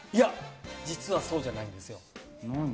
実はそうじゃないんですよ。